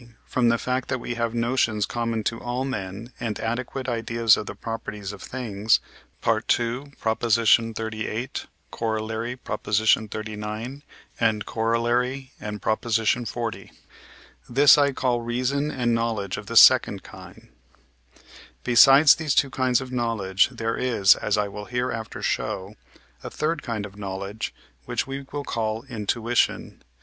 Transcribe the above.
From the fact that we have notions common to all men, and adequate ideas of the properties of things (II. xxxviii. Coroll., xxxix. and Coroll. and xl.); this I call reason and knowledge of the second kind. Besides these two kinds of knowledge, there is, as I will hereafter show, a third kind of knowledge, which we will call intuition.